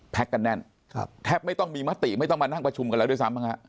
กันแน่นแทบไม่ต้องมีมติไม่ต้องมานั่งประชุมกันแล้วด้วยซ้ำบ้างฮะ